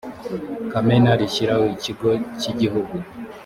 kamena rishyiraho ikigo cy igihugu